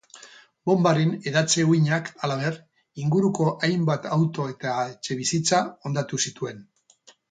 Bonbaren hedatze-uhinak, halaber, inguruko hainbat auto eta etxebizitza hondatu zituen.